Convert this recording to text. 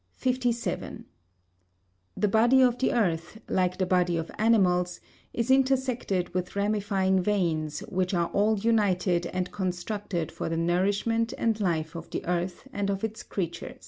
The body of the earth, like the body of animals, is intersected with ramifying veins, which are all united and constructed for the nourishment and life of the earth and of its creatures.